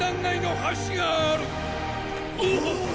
おお！